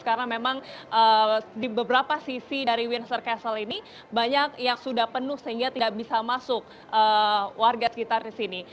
karena memang di beberapa sisi dari windsor castle ini banyak yang sudah penuh sehingga tidak bisa masuk warga sekitar di sini